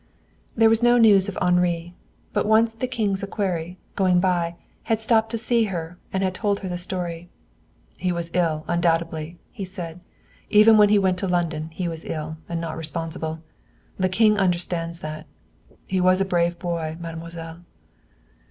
There was no news of Henri, but once the King's equerry, going by, had stopped to see her and had told her the story. "He was ill, undoubtedly," he said. "Even when he went to London he was ill, and not responsible. The King understands that. He was a brave boy, mademoiselle."